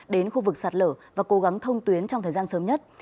đến khu vực sạt lở và cố gắng thông tuyến trong thời gian sớm nhất